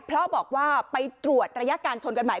เพราะบอกว่าไปตรวจระยะการชนกันใหม่